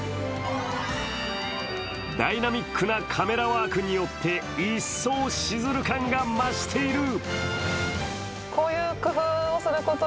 ダイナミックなカメラワークによって、一層シズル感が増している。